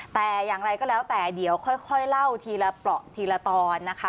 แต่อย่างไรก็แล้วแต่เดี๋ยวค่อยเล่าทีละเปราะทีละตอนนะคะ